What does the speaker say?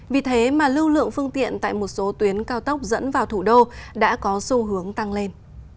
vì thế mà lưu lượng phương tiện tại một số tuyến cao tốc dẫn vào thủ đô đã có xu hướng tăng lên